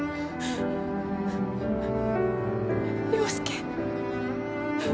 陽佑